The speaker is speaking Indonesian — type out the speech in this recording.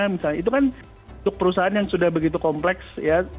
misalnya itu kan untuk perusahaan yang sudah begitu kompleks ya